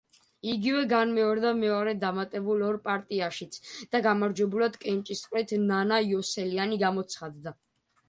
იგივე განმეორდა მეორე დამატებულ ორ პარტიაშიც და გამარჯვებულად კენჭისყრით ნანა იოსელიანი გამოცხადდა.